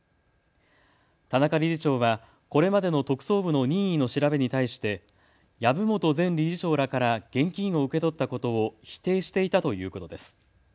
田中理事長はこれまでの特捜部の任意の調べに対して籔本前理事長らから現金を受け取ったことを否定していたということです。